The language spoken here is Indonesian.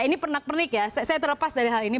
ini pernak pernik ya saya terlepas dari hal ini